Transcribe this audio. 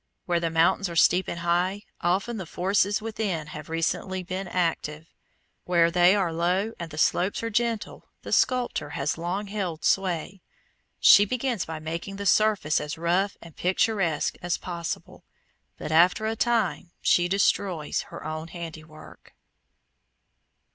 Where the mountains are steep and high, often the forces within have recently been active. Where they are low and the slopes are gentle, the sculptor has long held sway. She begins by making the surface as rough and picturesque as possible, but after a time she destroys her own handiwork.